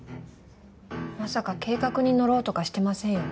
まさか計画に乗ろうとかしてませんよね？